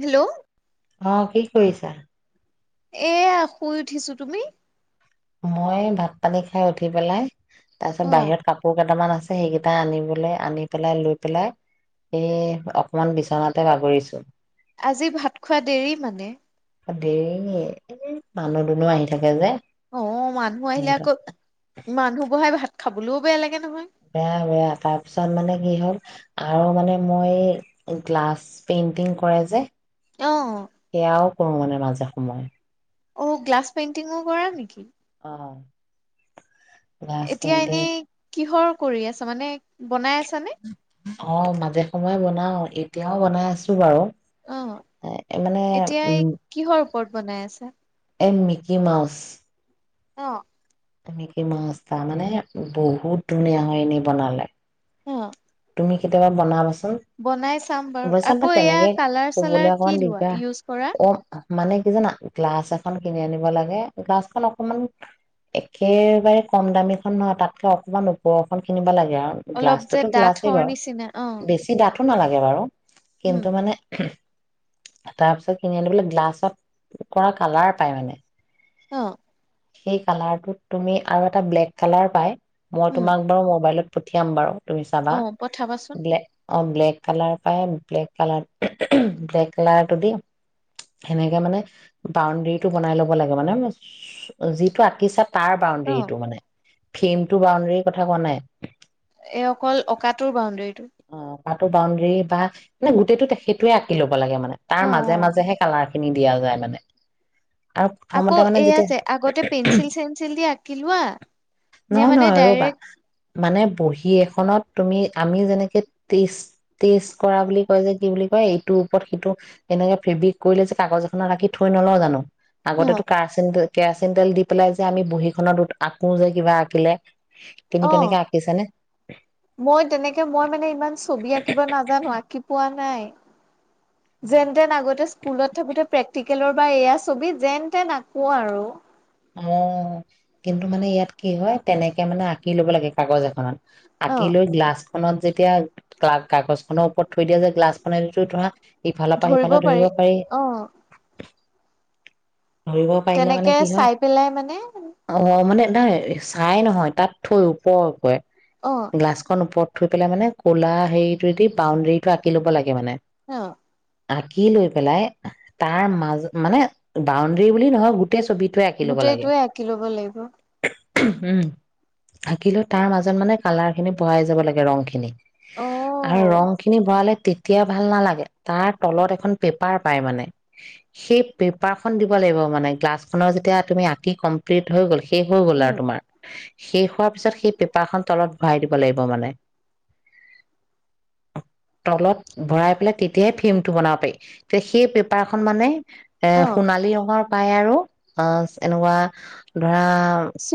Hello অ' কি কৰিছা? এয়া, শুই উঠিছো। তুমি? মই ভাত পানী খাই উঠি পেলাই তাৰ অ পিছত বাহিৰত কাপোৰ কেইটামান আছে সেইকেইটা আনিবলৈ, আনি পেলাই, লৈ পেলাই এই অকমান বিচনাতে বাগৰিছো। আজি ভাত খোৱা দেৰি মানে দেৰি, এ মানুহ দুনু আহি থাকে যে! অ' মানুহ আহিলে সিহঁতৰ আকৌ, মানুহ বহাই ভাত খাবলৈও বেয়া লাগে নহয়। বেয়া, বেয়া। তাৰপিছত মানে কি হ'ল আৰু মানে মই গ্লাছ পেইণ্টিং কৰে যে! অ' সেয়াও কৰো মানে, মাজে সময়ে। অ গ্লাছ পেইণ্টিংও কৰা নেকি? অ' গ্লাছ এতিয়া পেইন্টিং এনেই কিহৰ কৰি আছা, মানে বনাই আছে চানে অ', মাজে সময়ে বনাও। এতিয়াও বনাই আছো বাৰু। অ এ মানে, এতিয়া এই উম! কিহৰ ওপৰত বনাই আছা? এ মিকি মাউছ। অ' এনে কি মাছা মানে বহুত ধুনীয়া হয় এনেই বনালে অ' তুমি কেতিয়াবা বনাবাচোন! বনাই চাম বাৰু। অৱশ্যে মই আকৌ এয়া তেনেকে কালাৰ চালাৰ কবলৈ অকমান কি লোৱা? দিগদাৰ ইউজ কৰা? অ মানে কি। জানা গ্লাছ এখন কিনি আনিব লাগে। গ্লাছ খন অকমান একেবাৰে কম দামীখন নহয়, তাতকে অকমান ওপৰ খন কিনিব লাগে। ইয়াৰ, গ্লাছতোতো গ্লাছ ফৰ্ নিচিনা অ' তাতো নালাগে বাৰু উম কিন্তু মানে তাৰপিছত কিনি আন বোলে গ্লাছত কৰা কালাৰ পাই মানে অ সেই কালাৰটোত তুমি আৰু এটা ব্লেক কালাৰ পাই মই উম তোমাক বাৰু মোবাইলত পঠিয়াম বাৰু তুমি অ চাবালে পঠাবাচোন ব্লে অ ব্লেক কালাৰ পাই ব্লেক কালাৰ ব্লেক কালাৰটো দি সেনেকে মানে বাউডৰীটো বনাই লব লাগে মানে যিটো আঁকিচা তাৰ অ বাউণ্ডেৰীটো মানে ফিমটো বাউণ্ডাৰীৰ কথা কোৱা নাই এই অকল অকাটোৰ বাউণ্ডৰী অ মো বাউণ্ডৰী বা মানে গোটেইতো সেইটোৱ আঁকি লব লাগে মানে তাৰ অ মাজে অ মাজেহে কালাৰ খিনি দিয়া যায় মানে আৰু আকৌ প্ৰথমতে মানে এয়া যেতিয়া যে আগতে পেঞ্চিল চেঞ্চিল দি আঁকি লোৱা নে নহয় মানে নহয় ৰবা ডাইৰেক্ট মানে বহী এখনত তুমি আমিও যেনেক সেই টেষ্ট টেষ্ট কৰা বুলি কয় যে কি বুলি কয় এইটোৰ ওপৰত সিটো এনেকে ফেব্ৰিক কৰিলে যে কাগজ এখনত আঁকি থৈ নলওঁ জানো আগতেতো কাৰ চিনদাল। কেৰাচিন তেল দি পেলাই যে আমি বহীখনত দুত আঁকো যে কিবা আঁকিলে তুমি অ তেনেকে আঁকিছানে মই তেনেকে মই মানে ইমান ছবি আঁকিব নাজানো আঁকি পোৱা নাই নাই যেন তেন আগতে স্কুলত থাকোতে প্ৰেক্টিকেলৰ বা এয়া ছবি যেন তেন আকো আৰু অ কিন্তু মানে ইয়াত কি হয় তেনেকে মানে আঁকি লব লাগে কাগজ এখনত অ। আঁকি লৈ গ্লাছখননত যে এতিয়া কা কাগজখনৰ ওপৰত থৈ দিয়া যে গ্লাছ খনে তেতিয়া তোমাৰ ইফালৰ পৰা সিফালে ধৰিব পাৰি অ ধৰিব পাৰিলে মানে তেনেকে কি চাই পেলাই মানে হয় অ মানে নাই চাই নহয় তাত থৈ অ ওপৰকৈ গ্লাছখন ওপৰত থৈ পেলাই মানে ক'লা হেৰিটোবেদি বাউণ্ডেৰীটো আকি ল'ব লাগে মানে অ আঁকি লৈ পেলাই তাৰ মাজ মানে বাউণ্ডাৰী বুলি নহয় গোটেই ছবিটোৱে আঁকি ল'ব লাগে গোটেইটোৱে আঁকি ল'ব লাগিব। উম আঁকিলো তাৰ মাজত মানে কালাৰ খিনি বহাই যাব লাগে ৰং খিনি অ। আৰু ৰং খিনি ভৰালে তেতিয়া ভাল নালাগে তাৰ তলত এখন পেপাৰ পাই মানে সেই পেপ পেপাৰখন দিব লাগিব মানে গ্লাছখনৰ যেতিয়া তুমি আঁকি কমপ্লিট হৈ গ'ল শেষ হৈ গ'ল উম আৰু তোমাৰ শেষ হোৱা তাৰপিছত সেই পেপাৰখন তলত ভৰাই দিব লাগিব মানে তলত ভৰাই পেলাই তেতিয়াই ফ্ৰেমটো বনাব পাৰি তেতিয়া সেই পেপাৰখন মানে এ অ সোণালী ৰঙৰ পাই আৰু অ এনেকুৱা ধৰা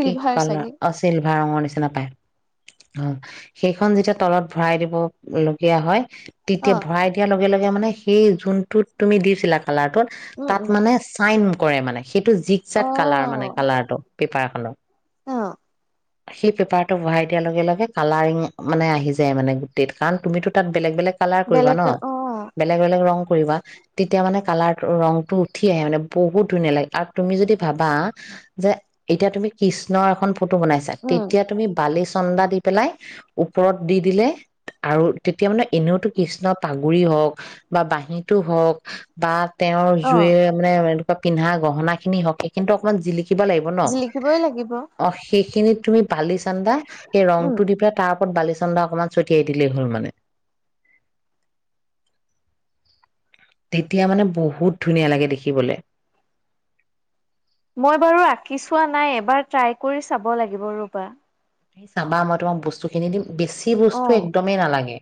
কি কালাৰ চাগে। আছিল ৰঙা ৰঙৰ নিচিনা পায় অ সেইখন যেতিয়া তলত ভৰাই দিব লগগীয়া হয় অ তেতিয়া ভৰাই দিয়াৰ লগে লগে এয়া মানে সেই যোনটোত তুমি দিছিলা কালাৰটোত উম তাত উম। মানে চাইন কৰে মানে সেইটো জিক যাক কালাৰ মানে অ', কালাৰটো পেপাৰখনৰ অ সেই পেপাৰটো বঢ়াই দিয়াৰ লগে লগে কালাৰিং মানে আহি যায় মানে গোটেই কাৰণ তুমিতটো তাত বেলেগ বেলেগ কালাৰ কৰিবা ন বেলেগ অ', বেলেগ বেলেগ ৰং কৰিবা তেতিয়া মানে কালৰ তো ৰং উঠি আহে মানে বহুত ধুনীয়া লাগে আৰু তুমি যদি ভাবা যে এতিয়া তুমি কৃষ্ণৰ এখন ফটো বনাইছা উম, তেতিয়া তুমি বালিছ অনন্দা দি পেলাই ওপৰত দি দিলে আৰু তেতিয়া মানে এনেওতো কৃষ্ণ পাগৰি হওক বা বাহীটো হক বা তেওঁ অ', জুয়ে মানে হাতত পিন্ধা গহনা খিনি হওক সেইখিনিটো অকণমান জিলিক শিকিব লাগিব ন জিলিকিবই লাগিব অ সেখ খিনিত তুমি পালি চান্দা এই ৰং উম, টো দি পেলাই তাৰ ওপত বালিচন্দ অকমান ছটিয়াই দিলেই হ'ল মানে তেতিয়া মানে বহুত ধুনীয়া লাগে দেখিবলে মই বাৰু আঁকি চোৱা নাই এবাৰ ট্ৰাই কৰি চাব লাগিব ৰবা চাবা মই তোমাক বস্তুখিনি দিম বেছি বস্তু অ', একদমেই নালাগে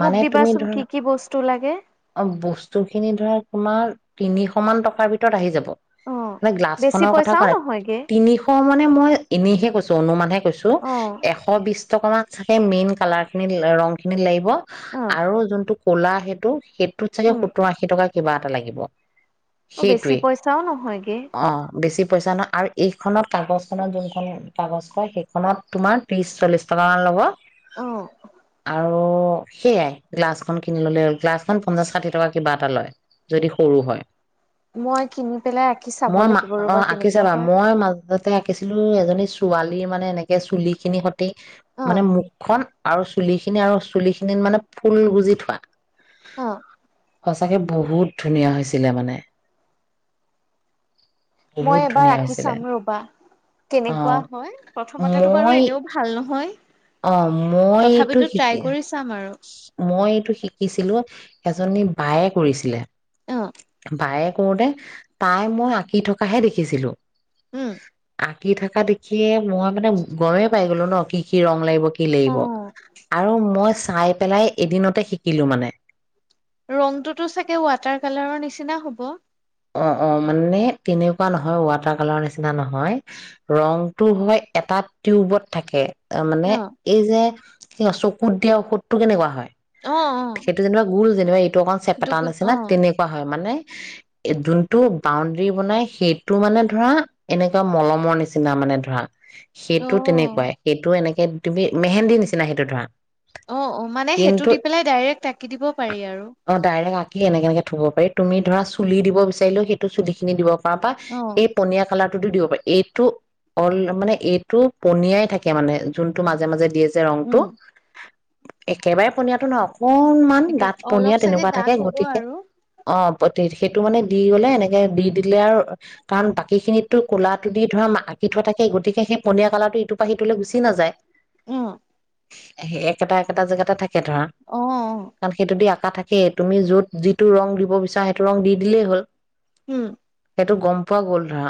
মোক মানে তুমি দিবাচোন কি ধৰা কি বস্তু লাগে অ বস্তুখিনি ধৰা তোমাৰ তিনিশ মান টকাৰ ভিতৰত আহি যাব অ', মই গিলাচ বেছি খনৰ কথা পইচাও কোৱা নাই নহয়গে। তিনিশ মান নে মই এনেইহে কৈছো অনুমানহে কৈছো অ', এশ বিশ টকা মান চাগে মেইন কালাৰ খিনিত ৰং খিনিত লাগিব অ', আৰু যোনটো কলা সেইটো সেইটোত চাগে উম, সত্তৰ আশী টকা কিবা এটা লাগিব অ', বেছি সেইটোৱে পইচাও নহয়গে। অ বেছি পইচা ন আৰু এইখনত কাগজখনত যোনখন কাগজ ক সেইখনত তোমাৰ ত্ৰিছ চল্লিছ টকা মান ল'ব অহ অ সেইয়াই গ্লাছখন কিনি ললে গ্লাছখন পঞ্চাশ ষাঠি টকা কিবা এটা লয় যদি সৰু হয় মই কিনি পেলাই আঁকি চাব মই মা লাগিব অ ৰ'বা আঁকি কেনেকুৱা চাবা হয় মই মাজতে আঁকিছিলো এ এজনী ছোৱালী মানে এনেক এ চুলি খিনি তে মানে অ', মুখখন আৰু চুলি খিনি আৰু চুলি খিনিত মানে ফুল গুজি থোৱা অ সঁচাকে বহুত ধুনীয়া হৈছিলে মানে মই বহুত এবাৰ ধুনীয়া আঁকি হৈছিলে চাম ৰবা অ কেনেকোৱা হয় প্ৰথমতে তাতো বাৰু মই এনেও ভাল নহয় নহয় অ মই এইটো শিকি কৰি চাম আৰু মই এইটো শিকিছিলো এজনী বায়ে কৰিছিলে অ বায়েক কৰোতে তাই মই আঁকি থকাহে দেখিছিলো উম আকি থকা দেখিয়ে মই মানে গমে পাইছো লৈ ন কি কি ৰং লাগিব কি লাগিব উম আৰু মই চ চাই পেলাই এদিনতে শিকিলো মানে ৰংটোতো চাগে ৱাটাৰ কালাৰৰ নিচিনা হ'ব অ অ মানে তেনেকোৱা নহয় ৱাটাৰ কালাৰ নিচিনা নহয় ৰংটো হয় এটা টিউবত থাকে অ মানে এই যে অ চকুত দিয়া ঔষধটো কেনেকোৱা হয় অ অ সেইটো যেনিবা গোল যেন [unintelligible] তোমাৰ সেইটো চেপেটা নিছিনা অ না তেনেকুৱা হয় মানে যোনটো বাউণ্ডৰী বনাই সেইটো মানে ধৰা এনেকুৱা মলমৰ নিচিনা মানে ধৰা অ সেইটো তেনেকুৱাই সেইটো এনেকে হে তুমি মেহেন্দি নিচিনা সেইটো ধৰা অ অ মানে সেইটো কিন্তু দি পেলাই ডাইৰেক্ট আঁকি দিব পাৰি আৰু অ ডাইৰেক্ট আঁকি এনে এনেকে থব পাৰি তুমি ধৰা খুলি দিব বিচাৰিলেও সেইটো চুলিখিনি দিব পাবা অ এই পনীয়া কালাৰ দিব পাৰে এইটো অ মানে এইটো পনিয়াই থাকে মানে যোনটো মাজে মাজে দিয়ে যে যে ৰংটো উম একেবাৰে পনীয়াটো নওক অকনমান একে দাঠ অলপ পনীয়া চাগে তেনেকুৱা থাকে ডাঠ হ'ব গতিকে আৰু অ সেইটো মানে দি গ'লে এনেকে দি দিলে আৰু কাৰণ তাক আঁকিখিনিতো কলাটো দি ধৰা আঁকি থোৱা থাকে গতিকে স সেই পনীয়া কালাৰটো ইটোপ পৰা সিটোলৈ গুচি নাযায় অ স একেটা একেটা জেগাতে থাকে একে ধৰা অ অ কাৰণ সেইটো দি থাকেই তুমি য'ত যিটো ৰং দিব বিচাৰা ৰং দি দিলেই হ'ল উম এইটো গম পোৱা গ'ল ধৰা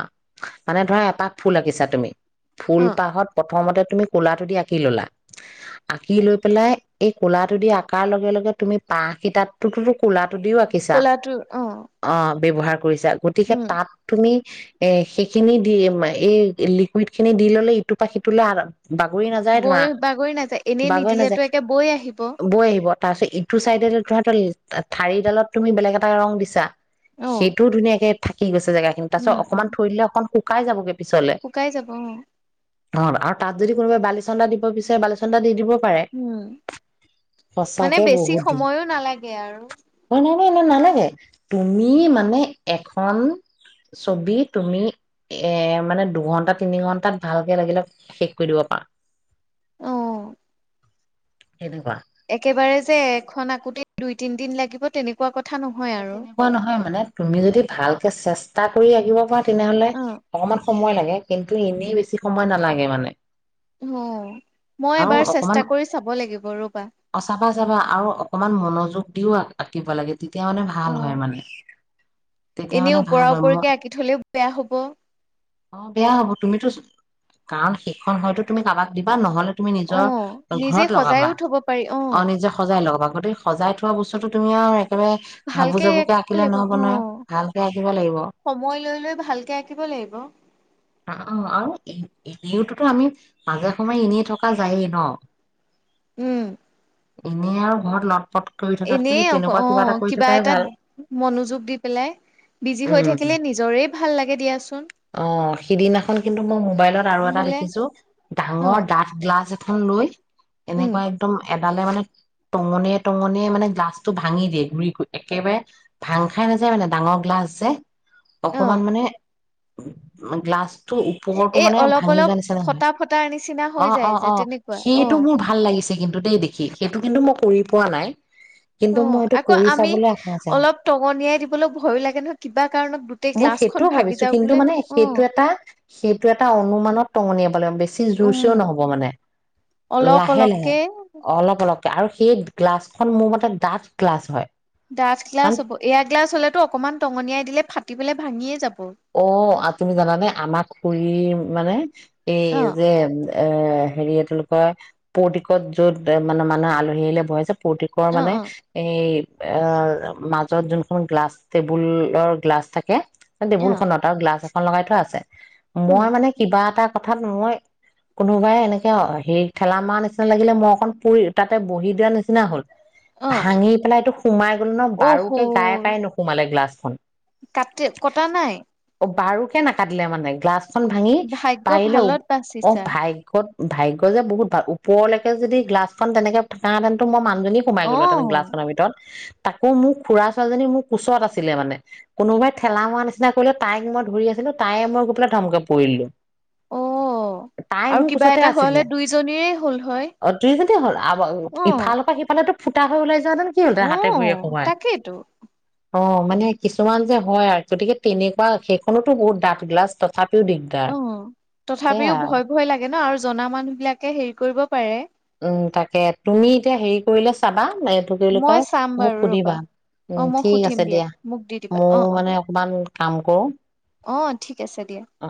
মানে ধৰা এপাক ফুল আঁকিছা তুমি অ ফুলপাহত প্ৰথমতে তুমি ক'লাটো দি আঁকি ললা আঁকি লৈ পেলাই এই ক'লাটো দি আকাৰ লগে লগে তুমি পাহ কিতাতো কোলাত কোলাটোুৰ অ অ ব্যৱহাৰ কৰিছা গতিকে উম তাত তুমি এ সেইখিনি দি এই লিকুইড খিনি দি ললে ইটোৰপা সিটোলে বৈ বাগৰি নাযায় এনেই বাগৰি নাযায় নিদিলেতো একে বৈ আহিব বৈ আহিব তাৰপিছত ইটো চাইডে তোহত ঠাৰিডালত তুমি বেলেগ এটা ৰং দিছা চা অ সেইটোও ধুনীয়াকে থাকি গৈছে জেগাখিন তাৰপছত উম উম অকমান থৈ দিলে অকু কাই যাবগে পিছলে শুকাই যাব অ অ আৰু তাত যদি কোনোবাই বালিচন্দা দিব বিচাৰে বালিচন্দা দি দিব পাৰে উম মানে সঁচাকে বেছি বহুত সময়ো নালাগে আৰু নে নেলাগে তুমি মানে এখন ছবি তুমি এ মানে দুঘন্টা তিনি ঘন্টাত ভালকে লাগিলে শেষ কৰি দিব পাৰা অহ সেনেকুৱা একেবাৰে যে এখনন আকোতে দুই তিন দিন লাগিব তেনেকুৱা কথা নহয় এ আৰু। তেনেকুৱা নহয় মানে তুমি যদি ভালকে চেষ্টা। এটা কৰি আহিব পা তেনেহলে অ', অকমান সময় লাগে কিন্তু এনেই বেছি সময় নালাগে মানে। মই আৰু এবাৰ অকমান চেষ্টা কৰি চাব লাগিব ৰ'বা। অচাফা চাফা আৰু অকমান মনোযোগ। লোৱা আকিব লাগে তেওঁ মানে ভাল হয় মানে। তেতিয়া এনে মানে ওপৰা ভাল হয় মই ওপৰিকে আঁকি থলেও বেয়া হব। অ বেয়া হব তুমিতো কাৰণ সেইখন হয়তো তুমি কাৰোবাক দিবা নহ'লে তুমি নিজৰ অ', নিজে ঘৰত লগাবা সজাইও থব পাৰি অ নিজে সজাই লগাবা গতিকে সজাই থোৱা বস্তু তুমি আৰু একেবাৰে হাবু ভালকে জাবুকে আঁকিব আঁকিলে লাগিব নহব নহয় অ'। ভালকে আঁকিব লাগিব অ সময় লৈ লৈ ভালকে আঁকিব লাগিব। আৰু এনেওতো মাজে সময়ে এনেই থকা যায়েই ন। উম এনেই আৰু ঘৰত লগ পট কৰি থকাত সেই এনেই অক তেনেকুৱা কিবা এটা অ', কৰি থকাই এটাত ভাল মনোযোগ দি পেলাই বিজি উ হৈ থাকিলে নিজৰে ভাল লাগে দিয়াচোন আহ সিদিনাখন কিন্তু মই মোবাইলত আৰু এটা নহ'লে দেখিছো ডাঙৰ অ', ডাঠ গ্লাছ থন লৈ। উম, এনেকুৱা একদম এডালে মানে টঙনিয়ে টঙনিয়ে মানে গ্লাছটো ভাঙি দিয়ে। ঘুৰি কৰি একেবাৰে ভাং খাই নাযায় মানে ডাঙৰ গ্লাছ যে। অ'। অকমান মানে। গ্লাছ উপৰটো এই মানে অলপ ভাঙি অলপ যোৱা নিচা ন নহয় ফটা ফটাৰ নিচিনা হৈ অ', যায় অ', যে অ', তেনেকুৱা অ সেইটো মোৰ ভাল লাগিছে কিন্তু ততয়ে দেখি সেইটো কিন্তু মই কৰি পোৱা নাই। কিন্তু অ মইটো আকৌ আমি অলপ টঙনিয়াই দিবলৈ ভয় লাগে নহয় কিবা কাৰণত গোটেই মই সেইটোও গ্লাছখনন ভাগি ভাবিছো যাও কিন্তু বোলে মানে অ', টঙনিয়া বেছি জোৰ চও উম নহব মানে অলপ লাহে লাহে অলপকে অলপ অলপ আৰু সেই গ্লাছখনন মোৰ মতে ডাঠ গ্লাচ হয়। ডাঠ গ্লাছ কাৰণ হব এয়া গ্লাছ হলেতটো অকনমান টঙনিয়াই দিলে ফাটি ফাটি ভাঙিয়ে যাব। অ আপুনি জানানে আমাক খুৰী মানে এই অ যে এ হেৰি এই তেওঁলোকৰ পৌৰ্টিকত য'ত মানে মানুহে আলহী আহিলে বহে জে পৌৰ্টিকত অ মানে অ এই এ মাজত যোনখন গ্লাছ টেবুলৰ গ্লাছ থাকে অ তেবুল তহঁতৰ গ্লাছ এখন লগাই থোৱা আছে উম মই মানে কিবা এটা কথাত মই কোনোবাই এনেকে হেৰি ঠেলা মাৰ নিচিনা লাগিলে মই অকণ পুৰি তাতে বহি দিয়াৰ নিচিনা হল অ ভাঙি পেলাইটো। সোমাই গ'ল ন বাৰুকে গায়ে পাই নোসোমালে গ্লাছ হয় কাটি কটা নাই বাৰু কে নাকাটিলে মানে গ্লাছ খন ভাঙি ভাগ্য পাৰিলে ভালত অ বাচিছা ভাইকত ভাগ্যয় যে বহুত ভাল ওপৰলৈকে যদি গ্লাছখন তেনেকে থাকাহেঁতেনো মই মানু জনী সোমাই অ গলো হেতেন গলাছখনৰ ভিতৰত তাকো মোৰ খুড়া ছোৱালীজনী মোৰ কোচত আছিলে মানে কোনোবাই ঠেলা মোৱাৰ নিচিনা তাইক মই ধৰি আছিলো তাই মই গৈ পেলাই ধমকে পৰিলো অ তাই আৰু মোৰ কিবা কোছতে এটা হোৱা আছিলে হলে দুইজনীৰে হ'ল হয় অ তুই যদি হ'ল অ ইফালৰ পৰা সিফালেটো ফুটা হৈ ওলাই যো না হেতেন কি হলতে হাতে ভৰিৰে অ', সোমাই তাকেইতো অ মানে কিছুমান যে হয় আৰু গতিকে তেনেকুৱা সেইখনতো বহুত দাঁঠ গলা অ তথাপিও ভয় ভয় লাগে ন আৰু জনা মানুহ বিলাকে হেৰি কৰিব পাৰে। উম তাকে তুমি এতিয়া হেৰি কৰিলে চাবা এইটোক কি বুলি মই কয় চাম মোক বাৰু সুধিবা ৰ'বা অ', উম মই ঠিক সুধিম আছে দিয়া মোক দি দিবা মোৰ অ', অ', মানে অকনমান কাম কৰো অ ঠিক ঠিক আছে দিয়া অ